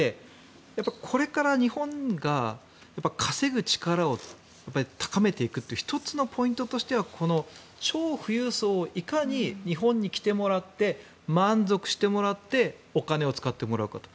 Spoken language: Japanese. これから日本が稼ぐ力を高めていくという１つのポイントとしては超富裕層をいかに日本に来てもらって満足してもらってお金を使ってもらうかと。